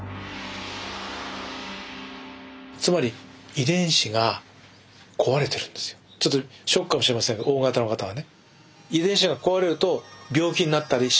つまりちょっとショックかもしれませんＯ型の方はね。